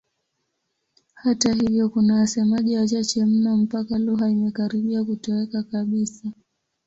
Hata hivyo kuna wasemaji wachache mno mpaka lugha imekaribia kutoweka kabisa.